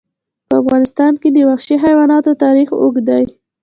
په افغانستان کې د وحشي حیواناتو تاریخ اوږد دی.